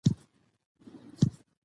ازموينه تکليف لري